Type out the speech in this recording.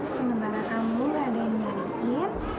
sementara kamu nggak ada yang nyariin